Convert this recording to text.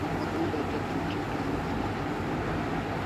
Onja te chuti kai paron